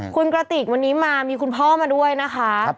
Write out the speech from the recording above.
คุณกระติกวันนี้มามีคุณพ่อมาด้วยนะคะ